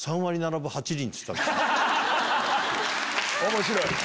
面白い！